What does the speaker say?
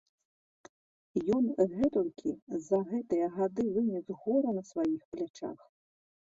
Ён гэтулькі за гэтыя гады вынес гора на сваіх плячах!